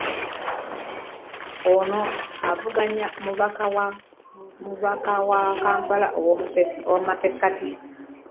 Ono avuganyizza n'omubaka wa Kampala ey'omumasekkati.